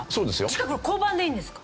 近くの交番でいいんですか？